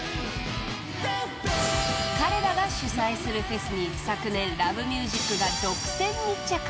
［彼らが主催するフェスに昨年『Ｌｏｖｅｍｕｓｉｃ』が独占密着］